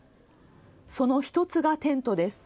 その１つがテントです。